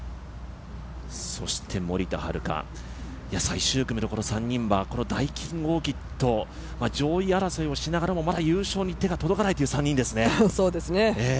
そして、森田遥、最終組の３人はこのダイキンオーキッド上位争いをしながらも、まだ優勝に手が届かないという３人ですね。